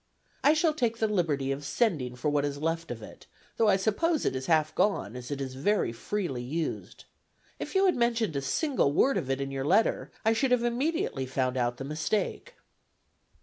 I shall take the liberty of sending for what is left of it, though I suppose it is half gone, as it was very freely used. If you had mentioned a single word of it in your letter, I should have immediately found out the mistake."